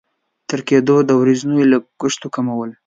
تر کېدونه د ورځنيو لګښتونو کمول.